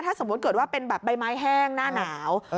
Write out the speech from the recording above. สมมุติเกิดว่าเป็นแบบใบไม้แห้งหน้าหนาว